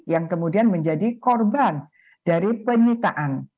yang kemudian menjadi korban dari penyitaan